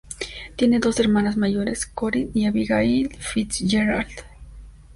Tiene dos hermanas mayores, Corinne y Abigail Fitzgerald.